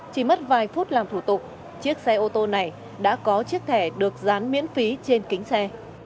chỉ mất vài phút làm thủ tục chiếc xe ô tô này đã có chiếc thẻ được dán miễn phí trên kính xe